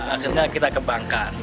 akhirnya kita kembangkan